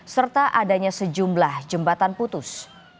serta adanya sejumlah jembatan putus